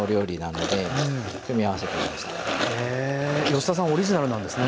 吉田さんオリジナルなんですね。